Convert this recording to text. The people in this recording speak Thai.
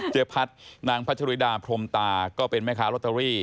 นางพัชริดาพรมตาก็เป็นแม่ค้าลอตเตอรี่